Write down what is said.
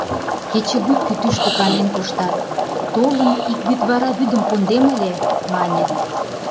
«Кечыгут кӱтӱштӧ канен коштат, толын, ик вӱдвара вӱдым кондем ыле!» — мане.